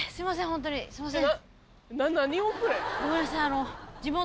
ホントにすいません。